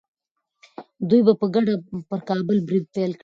دوی به په ګډه پر کابل برید پیل کړي.